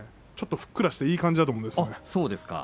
ちょっとふっくらとしていい感じです。